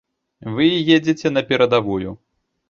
Вы едзеце на перадавую.